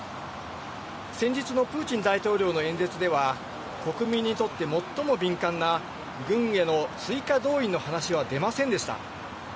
先日のプーチン大統領の演説では、国民にとって最も敏感な軍への追加動員の話は出ませんでした。